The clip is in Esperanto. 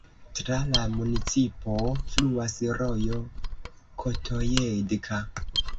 Tra la municipo fluas rojo Kotojedka.